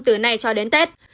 từ nay cho đến tết